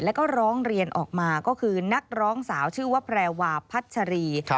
แล้วก็ร้องเรียนออกมาก็คือนักร้องสาวชื่อว่าแพรวาพัชรี